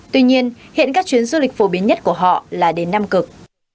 tuy nhiên hiện các chuyến du lịch phổ biến nhất của họ là đến nam cực